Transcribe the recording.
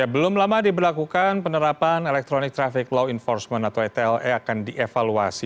belum lama diberlakukan penerapan electronic traffic law enforcement atau etle akan dievaluasi